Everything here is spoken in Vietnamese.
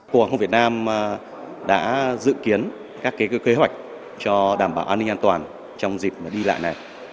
cục hàng không việt nam đã dự kiến các kế hoạch cho đảm bảo an ninh an toàn trong dịp đi lại này